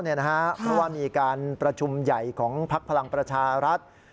เพราะว่ามีการประชุมใหญ่ของพักพลังประชารัฐ